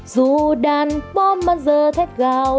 dù đàn bóng mắt dơ thét gạo